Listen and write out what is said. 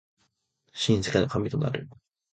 新世界の神となる